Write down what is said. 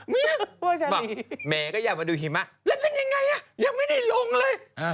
แม่บอกแหมก็อยากมาดูหิมะแล้วเป็นยังไงอ่ะยังไม่ได้ลงเลย